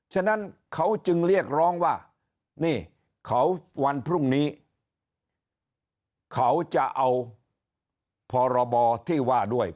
ฉะนั้นเขาจึงเรียกร้องว่านี่เขาวันพรุ่งนี้เขาจะเอาพรบที่ว่าด้วย